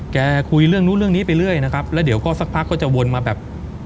คุยเรื่องนู้นเรื่องนี้ไปเรื่อยนะครับแล้วเดี๋ยวก็สักพักก็จะวนมาแบบ